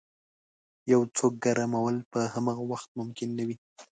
یو څوک ګرمول په همغه وخت ممکن نه وي.